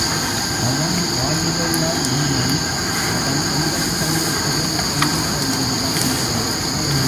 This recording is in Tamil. அவன் வாயிலுள்ள நம்மை அவன் எந்தச் சமயத்திலும் கொண்டு போய்விடுவான்.